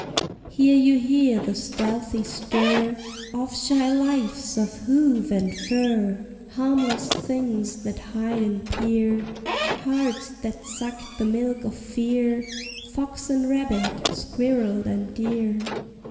Here you hear the stealthy stir Of shy lives of hoof and fur; Harmless things that hide and peer, Hearts that sucked the milk of fear Fox and rabbit, squirrel and deer.